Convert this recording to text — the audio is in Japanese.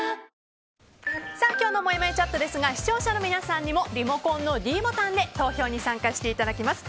今日のもやもやチャットですが視聴者の皆さんにもリモコンのｄボタンで投票に参加していただきます。